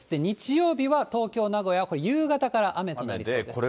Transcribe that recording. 日曜日は東京、名古屋、これ、夕方から雨となりそうです。